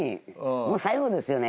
もう最後ですよね。